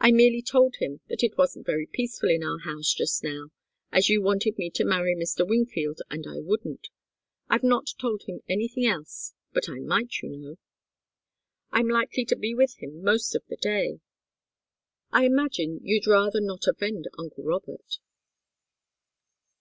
I merely told him that it wasn't very peaceful in our house just now, as you wanted me to marry Mr. Wingfield, and I wouldn't. I've not told him anything else but I might, you know. I'm likely to be with him most of the day. I imagine you'd rather not offend uncle Robert."